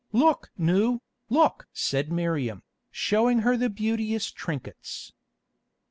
"Look! Nou, look!" said Miriam, showing her the beauteous trinkets.